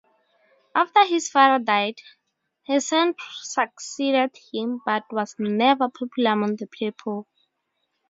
After his father died, Hasan succeeded him, but was never popular among the people.